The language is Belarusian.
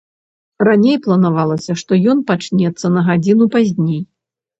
Раней планавалася, што ён пачнецца на гадзіну пазней.